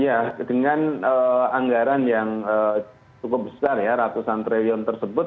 iya dengan anggaran yang cukup besar ya ratusan triliun tersebut